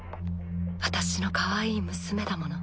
私のかわいい娘だもの。